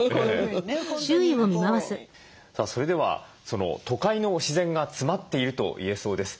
さあそれでは都会の自然が詰まっていると言えそうです。